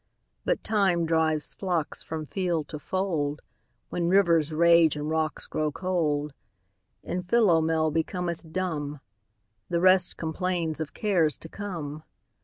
But Time drives flocks from field to fold; When rivers rage and rocks grow cold; And Philomel becometh dumb; The rest complains of cares to come.